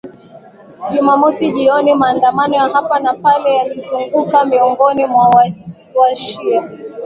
Jumamosi jioni maandamano ya hapa na pale yalizuka miongoni mwa washia